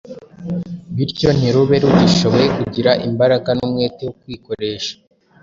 bityo ntirube rugishoboye kugira imbaraga n’umwete wo kwikoresha